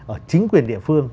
ở chính quyền địa phương